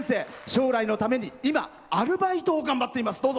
将来のために今、アルバイトを頑張っています。